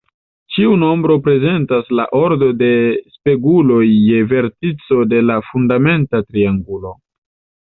Ĉiu nombro prezentas la ordo de speguloj je vertico de la fundamenta triangulo.